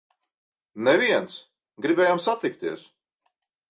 Neviens! Gribējām satikties!